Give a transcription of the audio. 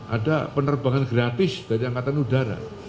ada penerbangan gratis dari angkatan udara